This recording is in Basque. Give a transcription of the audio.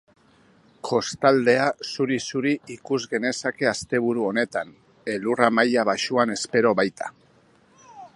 Kostaldea zuri-zuri ikus genezake asteburu honetan, elurra maila baxuan espero baita.